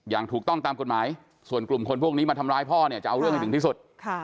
อย่างถูกต้องตามกฎหมายส่วนกลุ่มคนพวกนี้มาทำร้ายพ่อเนี่ยจะเอาเรื่องให้ถึงที่สุด